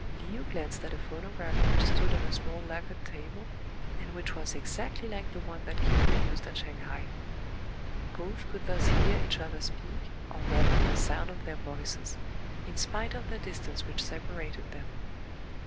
Le ou glanced at a phonograph which stood on a small lacquered table, and which was exactly like the one that Kin Fo used at Shang hai. Both could thus hear each other speak, or rather the sound of their voices, in spite of the distance which sepa rated them.